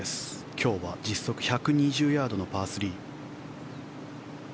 今日は実測１２０ヤードのパー３。